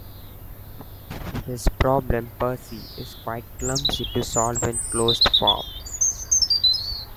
This problem "per se" is quite clumsy to solve in closed form.